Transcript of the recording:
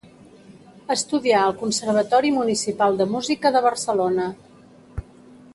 Estudià al Conservatori Municipal de Música de Barcelona.